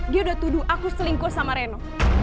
dia udah tuduh aku selingkuh sama reno